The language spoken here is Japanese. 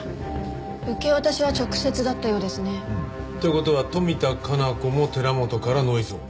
受け渡しは直接だったようですね。という事は富田加奈子も寺本からノイズを。